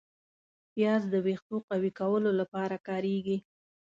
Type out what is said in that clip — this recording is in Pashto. پیاز د ویښتو قوي کولو لپاره کارېږي